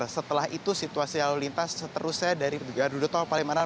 setelah itu situasi lalu lintas seterusnya dari gardu tol palimanan